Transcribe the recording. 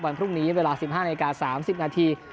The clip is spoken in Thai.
วันพรุ่งนี้เวลา๑๕นาที๓๐นาที